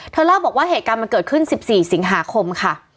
เล่าบอกว่าเหตุการณ์มันเกิดขึ้น๑๔สิงหาคมค่ะ